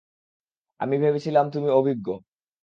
আমি ভেবেছিলাম তুমি অভিজ্ঞ।